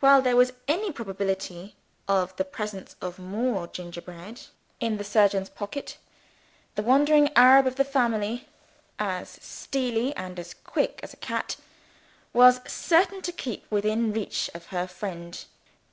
While there was any probability of the presence of more gingerbread in the surgeon's pocket, the wandering Arab of the family (as stealthy and as quick as a cat) was certain to keep within reach of her friend.